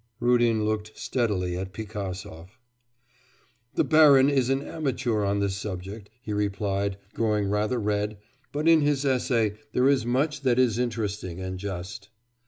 Rudin looked steadily at Pigasov. 'The baron is an amateur on this subject,' he replied, growing rather red, 'but in his essay there is much that is interesting and just.